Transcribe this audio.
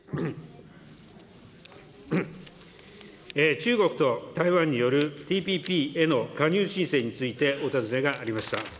中国と台湾によるＴＰＰへの加入申請についてお尋ねがありました。